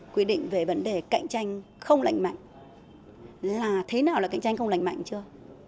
quy định về vấn đề cạnh tranh không lành mạnh là thế nào là cạnh tranh không lành mạnh chưa